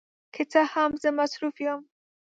که څه هم، زه مصروف یم.